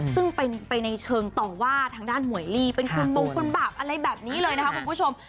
ซึ่งไปในเชิงต่อว่าทางด้านหมวยลี่เป็นคุณบงคุณบาปอะไรแบบนี้เลยนะคะคุณผู้ชม